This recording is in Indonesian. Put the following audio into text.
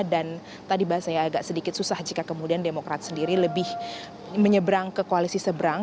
dan tadi bahasanya agak sedikit susah jika kemudian demokrat sendiri lebih menyeberang ke koalisi seberang